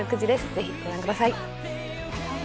ぜひご覧ください。